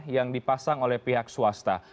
yang dipasang oleh pihak swasta